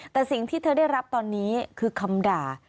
แต่สิ่งที่เธอได้รับตอนนี้คือคำด่า